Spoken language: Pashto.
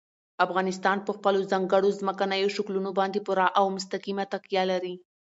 افغانستان په خپلو ځانګړو ځمکنیو شکلونو باندې پوره او مستقیمه تکیه لري.